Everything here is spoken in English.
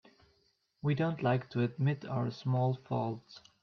We don't like to admit our small faults.